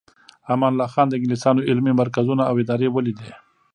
امان الله خان د انګلیسانو علمي مرکزونه او ادارې ولیدې.